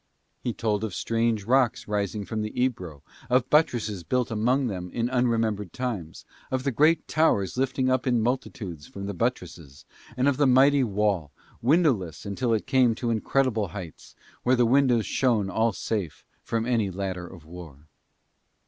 He told of strange rocks rising from the Ebro; of buttresses built among them in unremembered times; of the great towers lifting up in multitudes from the buttresses; and of the mighty wall, windowless until it came to incredible heights, where the windows shone all safe from any ladder of war.